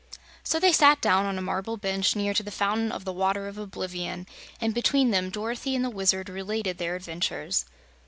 So they sat down on a marble bench near to the Fountain of the Water of Oblivion, and between them Dorothy and the Wizard related their adventures.